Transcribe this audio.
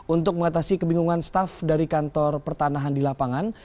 untuk mengatasi kebingungan staff dari kantor pertanahan di lapangan